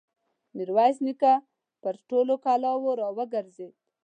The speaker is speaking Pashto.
ميرويس نيکه پر ټولو کلاوو را وګرځېد.